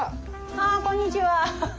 ああこんにちは。